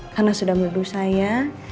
karena sudah melulu saya